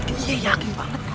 iya yakin banget